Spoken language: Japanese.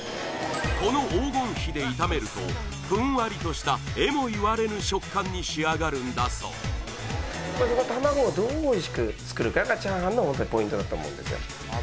この黄金比で炒めるとふんわりとしたえも言われぬ食感に仕上がるんだそう卵をどうおいしく作るかが炒飯のホントにポイントだと思うんですよ